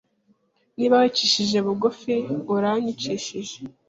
Niba wicishije bugufi uranyicishije